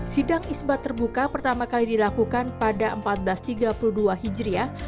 sidang isbat terbuka pertama kali dilakukan pada seribu empat ratus tiga puluh dua hijriah